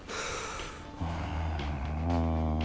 うん。